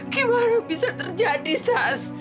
gimana bisa terjadi sas